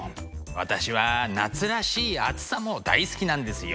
私は夏らしい暑さも大好きなんですよ。